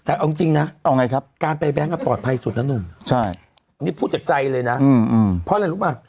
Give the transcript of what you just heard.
แต่เอาจริงนะการไปแบงค์ปลอดภัยสุดแล้วหนุ่มนี่พูดจากใจเลยนะเพราะอะไรรู้ป่ะ